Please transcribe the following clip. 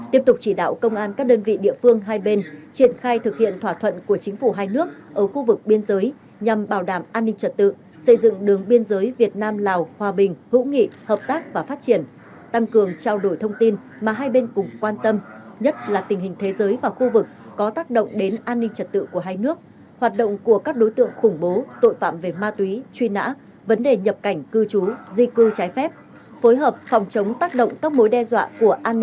tiếp tục chỉ đạo công an các đơn vị địa phương hai bên triển khai thực hiện thỏa thuận của chính phủ hai nước ở khu vực biên giới nhằm bảo đảm an ninh trật tự xây dựng đường biên giới việt nam lào hòa bình hữu nghị hợp tác và phát triển tăng cường trao đổi thông tin mà hai bên cùng quan tâm nhất là tình hình thế giới và khu vực có tác động đến an ninh trật tự của hai nước hoạt động của các đối tượng khủng bố tội phạm về ma túy truy nã vấn đề nhập cảnh cư trú di cư trái phép phối hợp phòng chống tác động các mối đe dọa